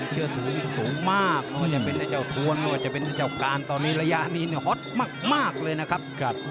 เมื่อจะเป็นในเจ้าทวนเมื่อจะเป็นในเจ้าการตอนนี้ระยะนี้ฮอตมากเลยนะครับ